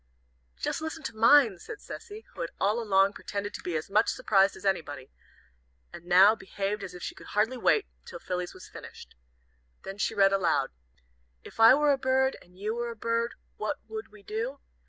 "Just listen to mine," said Cecy, who had all along pretended to be as much surprised as anybody, and now behaved as if she could hardly wait till Philly's was finished. Then she read aloud: "TO CECY. "If I were a bird And you were a bird, What would we do?